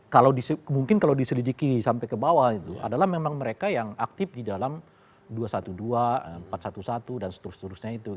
kalau mungkin kalau diselidiki sampai ke bawah itu adalah memang mereka yang aktif di dalam dua ratus dua belas empat ratus sebelas dan seterusnya itu